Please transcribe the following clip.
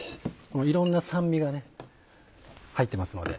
いろんな酸味がね入ってますので。